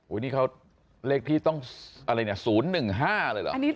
นี่เขาเลขที่ต้องอะไรเนี่ย๐๑๕เลยเหรอ